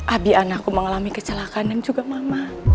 abian aku mengalami kecelakaan dan juga mama